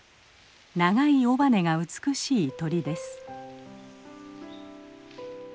長い尾羽が美しい鳥です。